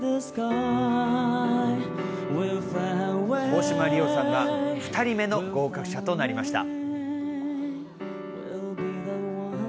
大島莉旺さんが２人目の合格者となりました。